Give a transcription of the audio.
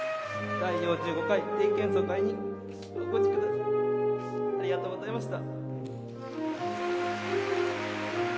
第４５回定期演奏会にお越しくださり、ありがとうございました。